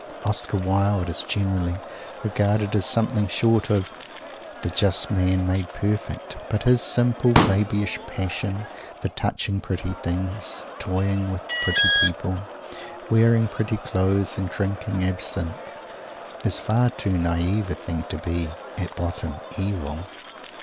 Oscar Wilde is generally regarded as something short of "the just man made perfect," but his simple, babyish passion for touching pretty things, toying with pretty people, wearing pretty clothes, and drinking absinthe, is far too naive a thing to be, at bottom, _evil.